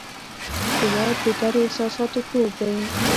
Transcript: هېواد د ګډو احساساتو کور دی.